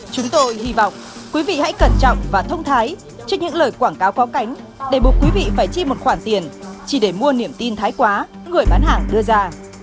chúng tôi hy vọng quý vị hãy cẩn trọng và thông thái trước những lời quảng cáo có cánh để buộc quý vị phải chi một khoản tiền chỉ để mua niềm tin thái quá người bán hàng đưa ra